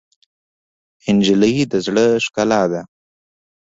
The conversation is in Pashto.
نجلۍ د زړه ښکلا ده.